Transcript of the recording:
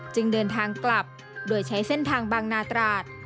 จึงเดินทางกลับโดยใช้เส้นทางบางนาตราด